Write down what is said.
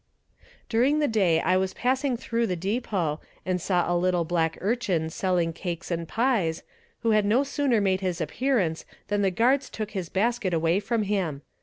During the day I was passing through the depot, and saw a little black urchin selling cakes and pies, who had no sooner made his appearance than the guards took his basket away from him.